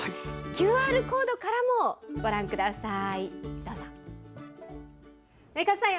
ＱＲコードからもご覧ください。